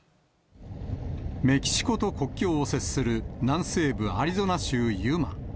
メキシコと国境を接する南西部アリゾナ州ユマ。